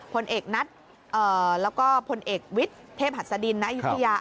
ผลเอกนัทเอ่อแล้วก็ผลเอกวิทย์เทพหัสดินนะอยุธยา